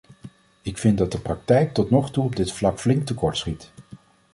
Ik vind dat de praktijk tot nog toe op dit vlak flink tekortschiet.